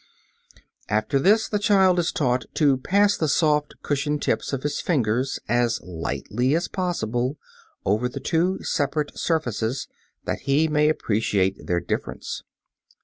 After this, the child is taught to pass the soft cushioned tips of his fingers as lightly as possible over the two separate surfaces, that he may appreciate their difference.